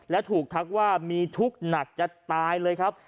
และถูกทักว่ามีทุกข์หนักจะตายเลยครับ